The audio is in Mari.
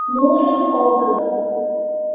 мурым огыл